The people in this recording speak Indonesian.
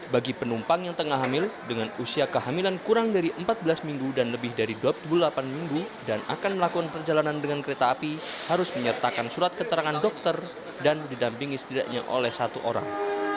bagi penumpang yang tengah hamil dengan usia kehamilan kurang dari empat belas minggu dan lebih dari dua puluh delapan minggu dan akan melakukan perjalanan dengan kereta api harus menyertakan surat keterangan dokter dan didampingi setidaknya oleh satu orang